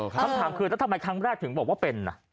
คำถามคือแล้วทำไมครั้งแรกถึงบอกว่าเป็น